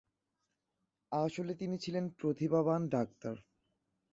আসলে তিনি ছিলেন প্রতিভাবান ডাক্তার।